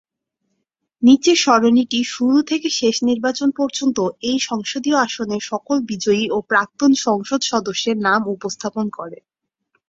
নীচের সারণীটি শুরু থেকে শেষ নির্বাচন পর্যন্ত এই সংসদীয় আসনের সকল বিজয়ী ও প্রাক্তন সংসদ সদস্যের নাম উপস্থাপন করে।